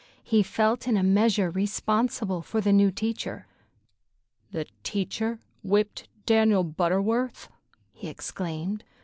He felt in a measure responsible for the new teacher. "The teacher whipped Daniel Butterworth!" he exclaimed.